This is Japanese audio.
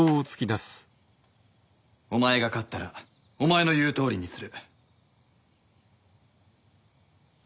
お前が勝ったらお前の言うとおりにする。